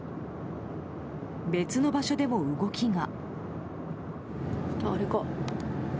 別の場所でも動きが。